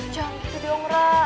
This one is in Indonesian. jangan gitu dong ra